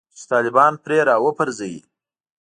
چې طالبان پرې راوپرځوي